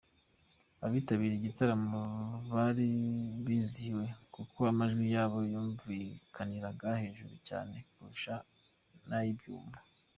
Abitabiriye igitaramo bari bizihiwe kuko amajwi yabo yumvikaniraga hejuru cyane kurusha n’ay’ibyuma.